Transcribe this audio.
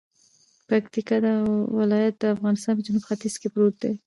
پکتیکا ولایت دافغانستان په جنوب ختیځ کې پروت دی